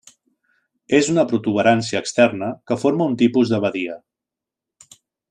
És una protuberància externa que forma un tipus de badia.